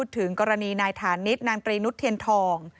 ถึงกรณีนายฐานิษฐนางตรีนุษเทียนทอง